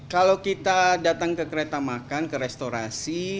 kalau kita datang ke kereta makan ke restorasi